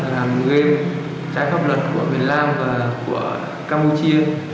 làm game trái phép luật của việt nam và của campuchia